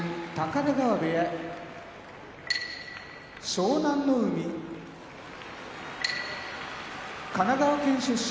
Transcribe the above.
湘南乃海神奈川県出身